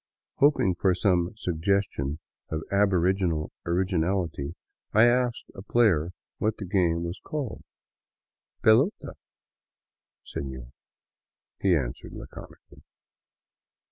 Hoping for some suggestion of aboriginal originality, I asked a player what the game was called. " Pelota (ball), sefior," he answered laconically.